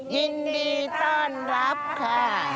ยินดีต้อนรับค่ะ